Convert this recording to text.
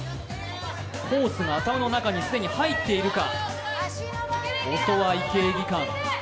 コースが既に頭の中に入っているか。